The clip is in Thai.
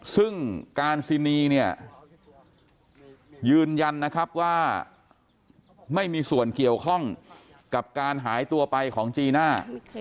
ซึ่งการซินีเนี่ยยืนยันนะครับว่าไม่มีส่วนเกี่ยวข้องกับการหายตัวไปของจีน่า